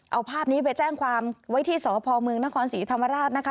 เอาภาพนี้ไปแจ้งความไว้ที่สพเมืองนครศรีธรรมราชนะคะ